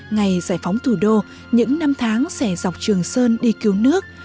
ngày giải phóng thủ đô những năm tháng xẻ dọc trường sơn đi cứu nước